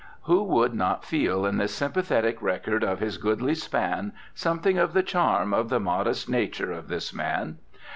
Who would not feel in this sympathetic record of his goodly span something of the charm of the modest nature of this man?